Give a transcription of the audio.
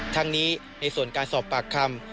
ทั้งนี้ในส่วนการสอบปากคำ